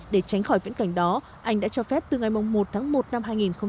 để tránh khỏi viễn cảnh đó anh đã cho phép từ ngày một tháng một năm hai nghìn hai mươi